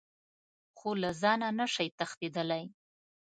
خو له ځانه نه شئ تښتېدلی .